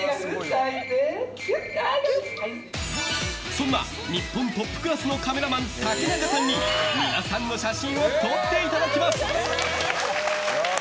そんな日本トップクラスのカメラマン、竹中さんに皆さんの写真を撮っていただきます。